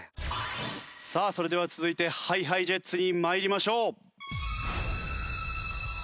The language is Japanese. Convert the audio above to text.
さあそれでは続いてＨｉＨｉＪｅｔｓに参りましょう。